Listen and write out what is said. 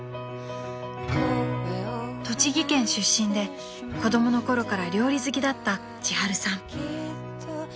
［栃木県出身で子供のころから料理好きだった千春さん］